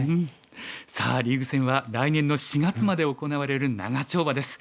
さあリーグ戦は来年の４月まで行われる長丁場です。